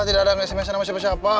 tidak ada sms an sama siapa siapa